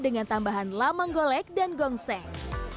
dengan tambahan lamang golek dan gongseng